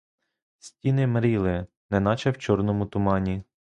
Стіни мріли, неначе в чорному тумані.